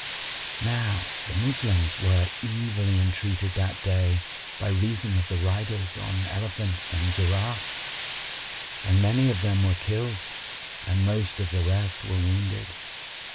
[FN#59] Now the Moslems were evilly entreated that day by reason of the riders on elephants and giraffes,[FN#60] and many of them were killed and most of the rest were wounded.